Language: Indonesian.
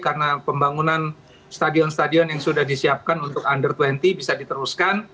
karena pembangunan stadion stadion yang sudah disiapkan untuk under dua puluh bisa diteruskan